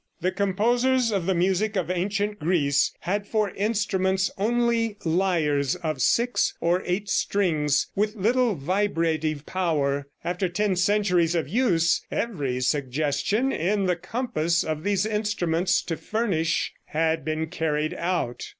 The composers of the music of ancient Greece had for instruments only lyres of six or eight strings, with little vibrative power. After ten centuries of use every suggestion in the compass of these instruments to furnish, had been carried out.